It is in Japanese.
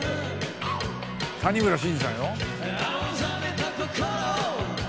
谷村新司さんよ。